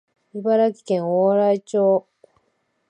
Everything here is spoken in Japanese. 茨城県大洗町